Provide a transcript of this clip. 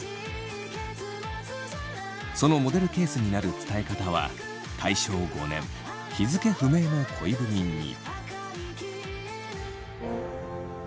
そのモデルケースになる伝え方は大正５年日付不明の恋文に。